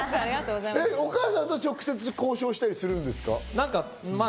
お母さんと直接交渉したりするんですか？